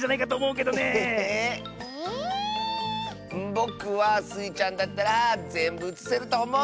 ぼくはスイちゃんだったらぜんぶうつせるとおもう！